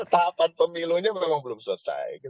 tahapan pemilunya memang belum selesai